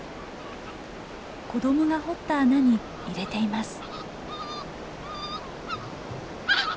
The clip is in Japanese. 子どもが掘った穴に入れています。